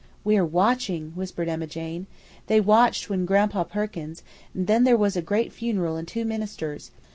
"We're WATCHING!" whispered Emma Jane. "They watched with Gran'pa Perkins, and there was a great funeral and two ministers.